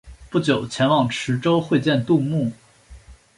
不久前往池州会见杜牧。